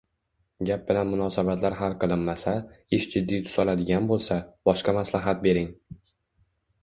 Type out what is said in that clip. gap bilan munosabatlar hal qilinmasa, ish jiddiy tus oladigan bo‘lsa, boshqa maslahat bering.